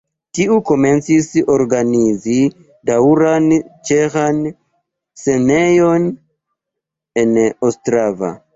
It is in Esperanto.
Tiu komencis organizi daŭran ĉeĥan scenejon en Ostrava.